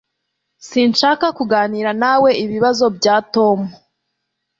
Sinshaka kuganira nawe ibibazo bya Tom.